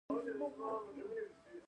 تاریخ عبرت دی